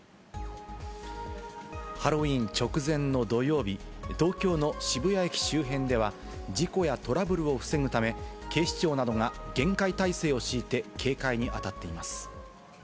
ハロウィーン直前の土曜日、東京の渋谷駅周辺では、事故やトラブルを防ぐため、警視庁などが厳戒態勢を敷いて警戒に当たっています。